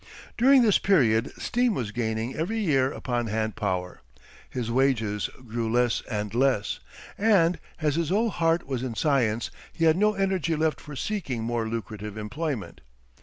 During this period steam was gaining every year upon hand power; his wages grew less and less; and, as his whole heart was in science, he had no energy left for seeking more lucrative employment.